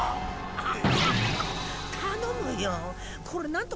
あっ。